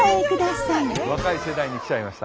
若い世代に来ちゃいました。